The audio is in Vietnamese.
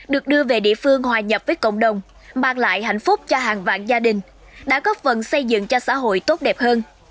được đưa về địa phương hòa nhập với cộng đồng mang lại hạnh phúc cho hàng vạn gia đình đã góp phần xây dựng cho xã hội tốt đẹp hơn